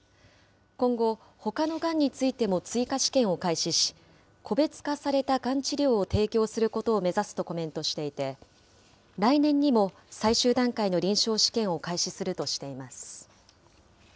今後、ほかのがんについても追加試験を開始し、個別化されたがん治療を提供することを目指すとコメントしていて、来年にも最終段階の臨床試験を開始するとしています。